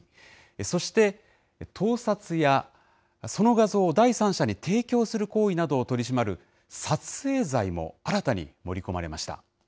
そして盗撮や、その画像を第三者に提供する行為などを取り締まる撮影罪も新たに盛り込まれました。